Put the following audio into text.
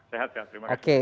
sehat terima kasih